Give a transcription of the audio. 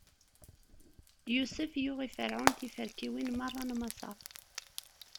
Yusef yuɣ i Ferɛun tiferkiwin meṛṛa n Maṣer.